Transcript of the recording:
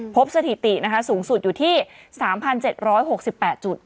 สถิตินะคะสูงสุดอยู่ที่๓๗๖๘จุด